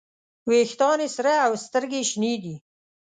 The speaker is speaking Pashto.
ویښتان یې سره او سترګې یې شنې دي.